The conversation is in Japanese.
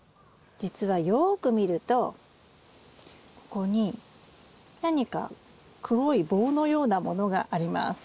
じつはよく見るとここに何か黒い棒のようなものがあります。